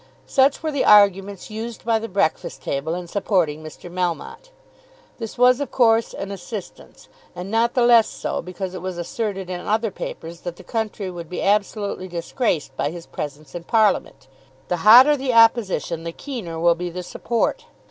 Such were the arguments used by the "Breakfast Table" in supporting Mr. Melmotte. This was, of course, an assistance; and not the less so because it was asserted in other papers that the country would be absolutely disgraced by his presence in Parliament. The hotter the opposition the keener will be the support.